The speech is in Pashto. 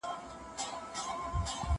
زه به سبا سبزیجات تيار کړم،